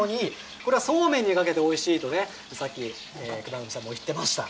これはそうめんにかけて、おいしいのでね、さっき管波さんも言ってました。